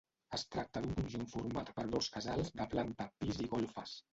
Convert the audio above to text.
Es tracta d'un conjunt format per dos casals de planta, pis i golfes.